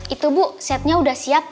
itu bu setnya sudah siap